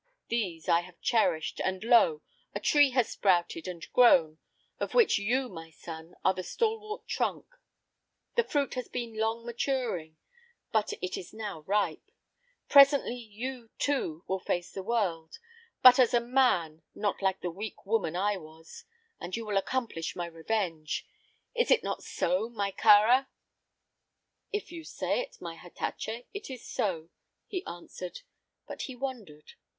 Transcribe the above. These I have cherished, and lo! a tree has sprouted and grown, of which you, my son, are the stalwart trunk. The fruit has been long maturing, but it is now ripe. Presently you, too, will face the world; but as a man not like the weak woman I was and you will accomplish my revenge. Is it not so, my Kāra?" "If you say it, my Hatatcha, it is so," he answered. But he wondered.